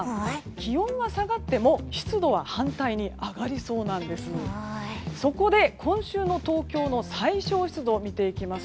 気温は下がっても湿度は反対に上がりそうなんです。